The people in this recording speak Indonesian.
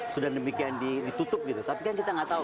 sudah demikian ditutup gitu tapi kan kita nggak tahu